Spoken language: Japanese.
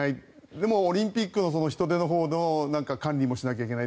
でもオリンピックの人出の管理もしないといけない。